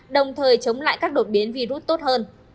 đồng thời chống lại các đột biến virus tốt hơn